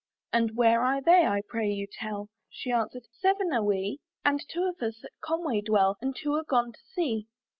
"And where are they, I pray you tell?" She answered, "Seven are we, "And two of us at Conway dwell, "And two are gone to sea.